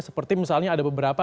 seperti misalnya ada beberapa